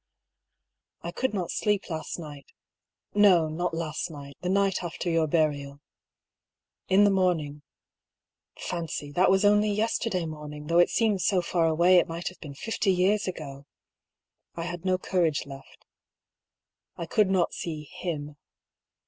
I could not sleep last night — no, not last night, the night after your burial. In the morning — (fancy, that was only yesterday morning, though it seems so far away it might have been fifty years ago I) — I had no 130 I>R. PAULL'S THEORY. courage left. I could not see him.